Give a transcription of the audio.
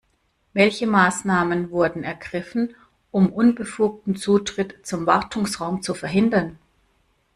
Welche Maßnahmen wurden ergriffen, um unbefugten Zutritt zum Wartungsraum zu verhindern?